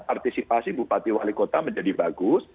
partisipasi bupati wali kota menjadi bagus